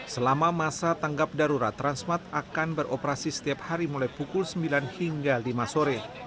selama masa tanggap darurat transmart akan beroperasi setiap hari mulai pukul sembilan hingga lima sore